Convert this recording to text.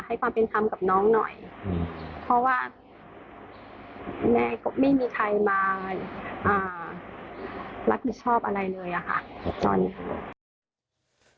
ความเป็นธรรมกับน้องหน่อยเพราะว่าแม่ก็ไม่มีใครมารับผิดชอบอะไรเลยอะค่ะตอนนี้ค่ะ